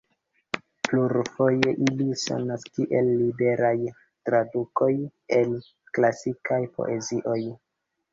Plurfoje ili sonas kiel liberaj tradukoj el klasika poezio.